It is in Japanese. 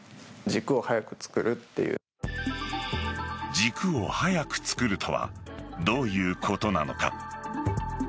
軸を早く作るとはどういうことなのか。